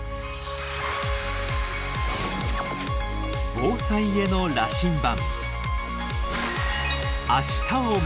防災への羅針盤